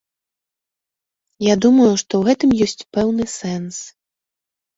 Я думаю, што ў гэтым ёсць пэўны сэнс.